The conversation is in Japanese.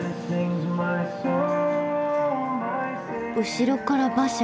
後ろから馬車。